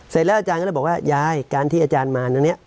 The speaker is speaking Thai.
เสร็จแล้วอาจารย์ก็เลยบอกว่ายายการที่อาจารย์มาตรงนี้